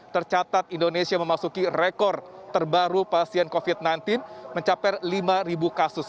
tercatat indonesia memasuki rekor terbaru pasien covid sembilan belas mencapai lima kasus